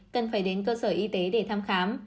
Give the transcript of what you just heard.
cần phải đến cơ sở y tế để thăm khám